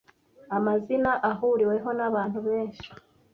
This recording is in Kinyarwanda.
Amazina ahuriweho nabantu benshi